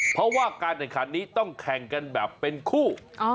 เพราะว่าการแข่งขันนี้ต้องแข่งกันแบบเป็นคู่